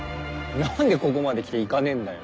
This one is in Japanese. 何でここまで来て行かねえんだよ。